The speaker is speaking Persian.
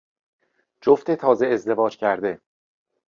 جفت تازه ازدواج کرده